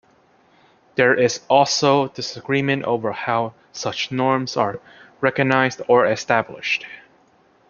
There is also disagreement over how such norms are recognized or established.